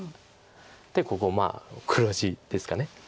でここも黒地ですか。